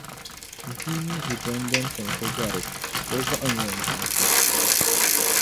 Bia yi ʒi bini din timsi gari o, o zuɣu n-yɛn jiŋsi.